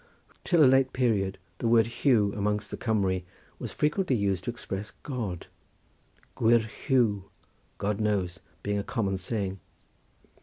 Till a late period the word Hu amongst the Cumry was frequently used to express God—Gwir Hu, God knows, being a common saying.